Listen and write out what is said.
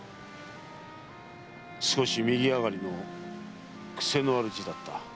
少し右上がりの癖のある字だった。